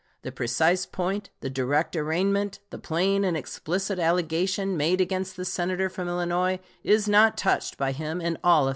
The precise point, the direct arraignment, the plain and explicit allegation made against the Senator from Illinois is not touched by him in all of his speech.